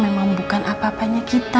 memang bukan apa apanya kita